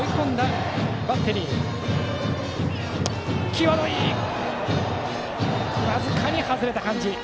際どいが僅かに外れた感じ。